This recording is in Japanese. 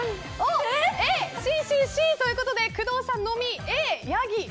Ａ、Ｃ、Ｃ、Ｃということで工藤さんのみＡ、ヤギ。